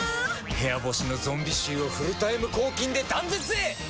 部屋干しのゾンビ臭をフルタイム抗菌で断絶へ！